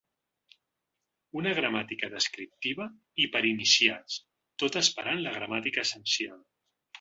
Una gramàtica descriptiva i per a iniciats, tot esperant la ‘gramàtica essencial’